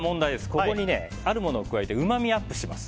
ここにあるものを加えてうまみアップします。